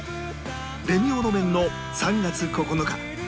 レミオロメンの『３月９日』